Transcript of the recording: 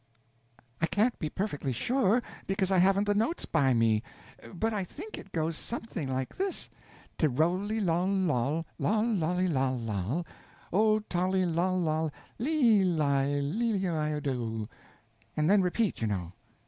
I can't be perfectly sure, because I haven't the notes by me; but I think it goes something like this: te rolly loll loll, loll lolly loll loll, O tolly loll loll lee ly li i do! And then repeat, you know.